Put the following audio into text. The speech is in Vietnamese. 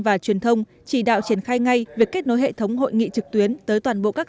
và truyền thông chỉ đạo triển khai ngay việc kết nối hệ thống hội nghị trực tuyến tới toàn bộ các